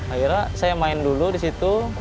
akhirnya saya main dulu di situ